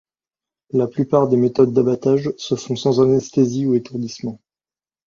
La plupart des méthodes d'abattage se font sans anesthésie ou étourdissement.